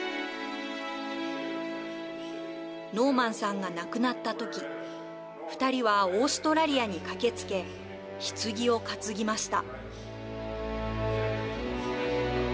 ノーマンさんが亡くなったとき２人はオーストラリアに駆けつけひつぎを担ぎました。